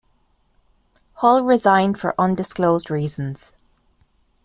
Hull resigned for undisclosed reasons.